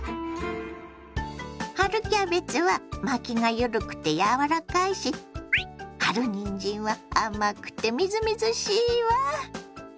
春キャベツは巻きが緩くて柔らかいし春にんじんは甘くてみずみずしいわ。